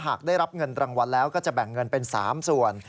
หากได้รับเงินรางวัลแล้วก็จะแบ่งเงินเป็น๓ส่วน